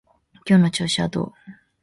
今日の調子はどう？